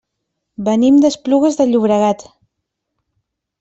Venim d'Esplugues de Llobregat.